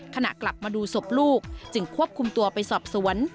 ขณะกลับมาดูศพลูกจึงควบคุมตัวไปสอบสวน